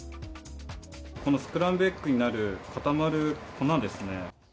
このスクランブルエッグになる固まる粉ですね。